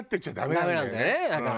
ダメなんだよねだから。